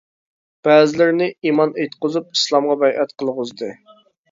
بەزىلىرىنى ئىمان ئېيتقۇزۇپ ئىسلامغا بەيئەت قىلغۇزدى.